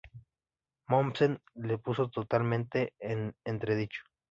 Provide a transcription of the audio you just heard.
Mommsen las puso totalmente en entredicho.